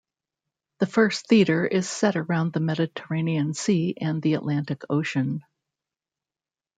The first theater is set around the Mediterranean Sea and the Atlantic Ocean.